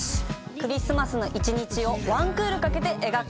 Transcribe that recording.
クリスマスの一日を１クールかけて描く。